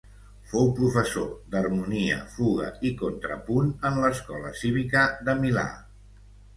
Fou professor d'harmonia, fuga i contrapunt en l'Escola Cívica de Milà.